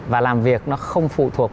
và làm việc nó không phụ thuộc